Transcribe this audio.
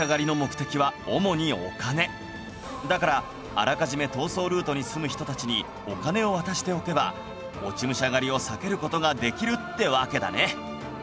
だからあらかじめ逃走ルートに住む人たちにお金を渡しておけば落武者狩りを避ける事ができるってわけだね